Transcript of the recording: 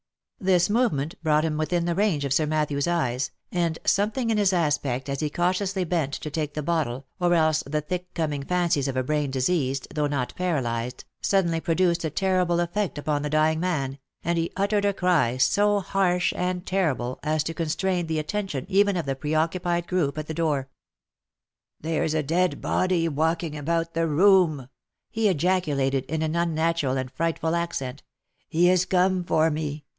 This movement brought him within the range of Sir Matthew's eyes, and something in his aspect as he cautiously bent to take the bottle, or else the thick coming fancies of a brain diseased, though not paralyzed, suddenly produced a terrible effect upon the dying man, and he uttered a cry so harsh and terrible as to constrain the attention even of the preoccupied group at the door. " There's a dead body walking about the room!" he ejaculated in an unnatural and frightful accent. " He is come for me